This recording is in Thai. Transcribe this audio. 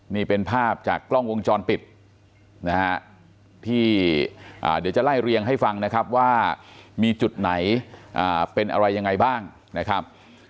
นี่เป็นภาพจากกล้องวงจรปิดนะฮะที่เดี๋ยวจะไล่เรียงให้ฟังนะครับว่ามีจุดไหนเป็นอะไรยังไงบ้างนะครับ